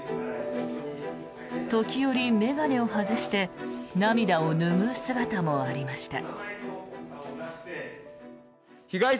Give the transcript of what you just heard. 時折、眼鏡を外して涙を拭う姿もありました。